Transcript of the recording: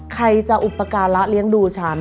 ใครจะอุปการะเลี้ยงดูฉัน